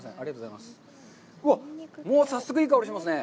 うわっ、早速いい香りしますね。